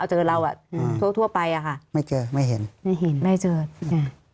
เจอเราอ่ะอืมทั่วทั่วไปอ่ะค่ะไม่เจอไม่เห็นไม่เห็นไม่เจอจ้ะ